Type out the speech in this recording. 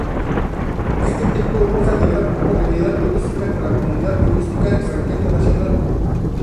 Este templo goza de gran popularidad turística entre la comunidad turista extranjera y nacional.